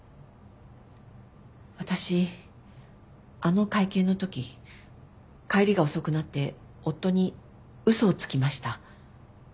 私あの会見のとき帰りが遅くなって夫に嘘をつきました。